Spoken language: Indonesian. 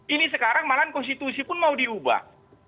ini sekarang malahan konstitusi pun mau diubah